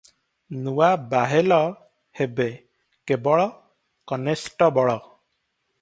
ନୂଆ ବାହେଲ ହେବେ କେବଳ କନେଷ୍ଟବଳ ।